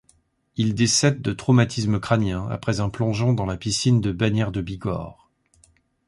Il décède de traumatisme crânien après un plongeon dans la piscine de Bagnères-de-Bigorre.